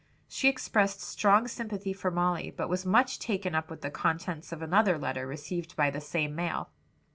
She expressed strong sympathy for Molly, but was much taken up with the contents of another letter received by the same mail.